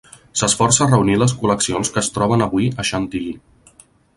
S'esforça a reunir les col·leccions que es troben avui a Chantilly.